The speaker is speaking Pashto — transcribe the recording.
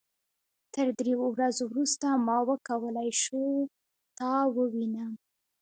تر دریو ورځو وروسته ما وکولای شو تا ووينم.